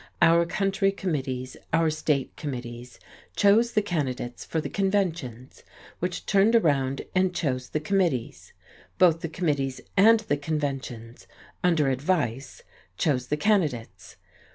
Our county committees, our state committees chose the candidates for the conventions, which turned around and chose the committees. Both the committees and the conventions under advice chose the candidates.